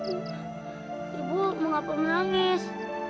ibu mengapa menangis